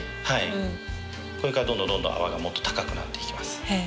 これからどんどん泡がもっと高くなってきます。